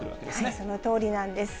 そのとおりなんです。